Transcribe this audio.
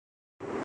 جلائے جاتے ہیں